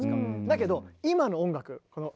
だけど今の音楽この。